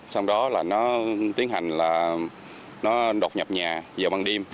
xong đó là nó tiến hành là nó đột nhập nhà vào bằng đêm